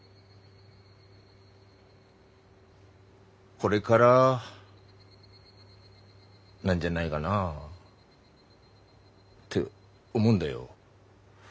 これからなんじゃないがなあ。って思うんだよ。